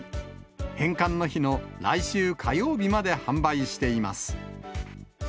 返還の日の来週火曜日まで販売しています。